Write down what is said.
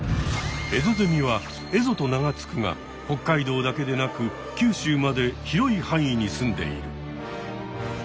エゾゼミはエゾと名が付くが北海道だけでなく九州まで広い範囲にすんでいる。